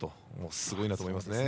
すごいなと思いますね。